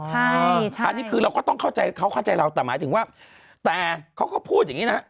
ใช่อันนี้คือเราก็ต้องเข้าใจเขาเข้าใจเราแต่หมายถึงว่าแต่เขาก็พูดอย่างนี้นะฮะ